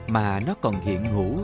mà nó còn hiện hữu